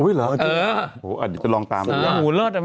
อุ้ยเหรอังแต่งค่ะหูลอดอะแม่บทเดชไหมแม่บทเดชไหม